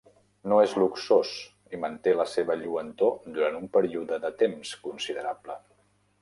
No és luxós i manté la seva lluentor durant un període de temps considerable.